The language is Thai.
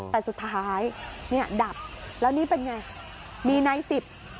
แต่สุดท้ายเนี่ยดับแล้วนี่เป็นไงมีนายสิบ